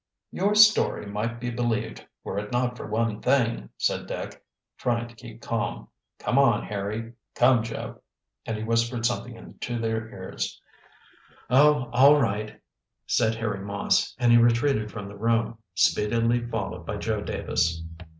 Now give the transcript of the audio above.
"Your story might be believed were it not for one thing," said Dick, trying to keep calm. "Come on, Harry, come, Joe." And he whispered something into their ears. "Oh, all right," said Harry Moss, and he retreated from the room, speedily followed by Joe Davis.